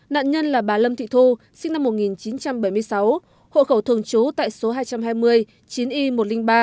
nạn nhân là bà lâm thị thu sinh năm một nghìn chín trăm bảy mươi sáu hộ khẩu thường trú tại số hai trăm hai mươi chín y một trăm linh ba